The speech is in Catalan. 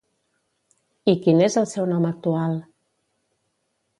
I quin és el seu nom actual?